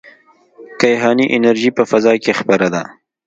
کیهاني انرژي په فضا کې خپره ده.